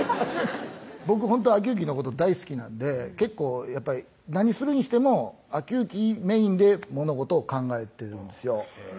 僕ほんと晃行のこと大好きなんで結構やっぱり何するにしても晃行メインで物事を考えてるんですよ